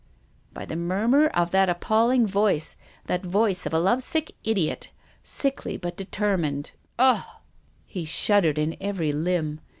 " By the murmur of that appalling voice, that voice of a love sick idiot, sickly but determined. Ugh !" He shuddered in every limb.